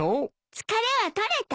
疲れは取れた？